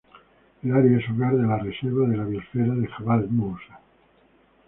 El área es hogar de la reserva de la biósfera de Jabal Moussa.